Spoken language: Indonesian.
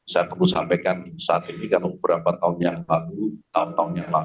saya perlu sampaikan saat ini karena beberapa tahun yang lalu tahun tahun yang lalu